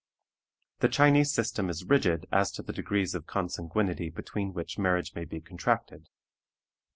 The Chinese system is rigid as to the degrees of consanguinity between which marriage may be contracted.